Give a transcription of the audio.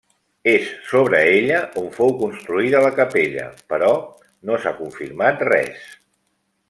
És sobre ella on fou construïda la capella, però no s'ha confirmat res.